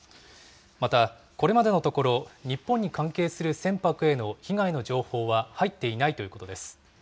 また、これまでのところ、日本に関係する船舶への被害の情報は入っていないということです。